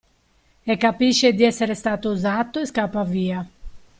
E capisce di essere stato usato e scappa via.